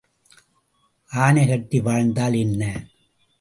ஆனை கட்டி வாழ்ந்தால் என்ன?